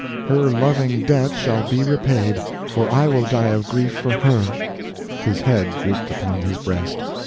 Her loving debt shall be repaid for I will die of grief for her." His head drooped upon his breast.